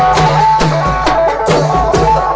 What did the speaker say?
สวัสดีครับ